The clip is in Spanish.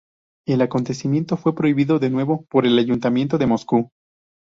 El acontecimiento fue prohibido de nuevo por el ayuntamiento de Moscú.